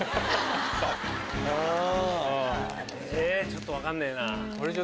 ちょっと分かんねえな。